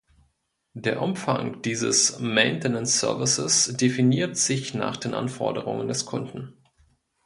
Der Umfang dieses Maintenance-Services definiert sich nach den Anforderungen des Kunden.